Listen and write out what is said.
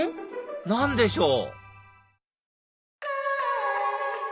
何でしょう？